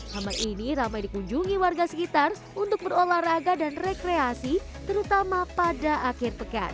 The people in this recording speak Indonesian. taman ini ramai dikunjungi warga sekitar untuk berolahraga dan rekreasi terutama pada akhir pekan